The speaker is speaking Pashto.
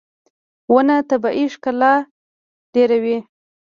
• ونه طبیعي ښکلا ډېروي.